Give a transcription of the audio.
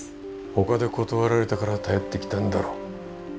ほかで断られたから頼ってきたんだろ。